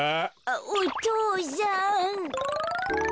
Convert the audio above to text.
お父さん。